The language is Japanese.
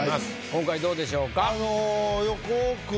今回どうでしょうか？